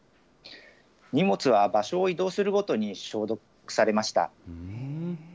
荷物は場所を移動するごとに消毒されました。